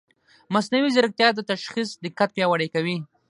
مصنوعي ځیرکتیا د تشخیص دقت پیاوړی کوي.